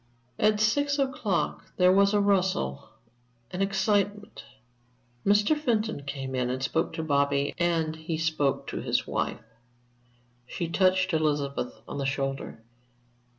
At six o'clock there was a rustle, an excitement. Mr. Fenton came in and spoke to Bobby, and he spoke to his wife. She touched Elizabeth on the shoulder.